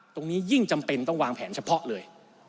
ยิ่งจำเป็นต้องวางแผนเฉพาะเลย